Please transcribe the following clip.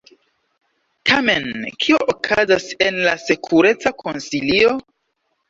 Tamen kio okazas en la Sekureca Konsilio?